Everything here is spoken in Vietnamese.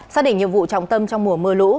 xác định nhiệm vụ trọng tâm trong mùa mưa lũ